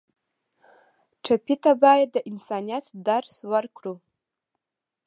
ټپي ته باید د انسانیت درس ورکړو.